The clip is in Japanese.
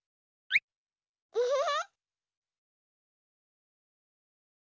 ウフフ。